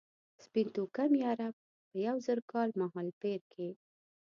سپین توکمي عرب په یو زر کال مهالپېر کې.